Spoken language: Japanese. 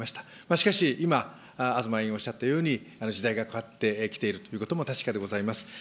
しかし、今、東委員おっしゃったように時代が変わってきているということも確かでございます。